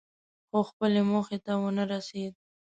خو خپلې موخې ته ونه رسېد.